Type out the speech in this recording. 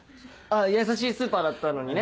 やさしいスーパーだったのにね。